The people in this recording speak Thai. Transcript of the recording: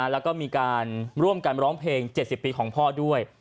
แล้วก็มีการร่วมกันร้องเพลง๗๐ปีของพ่อด้วย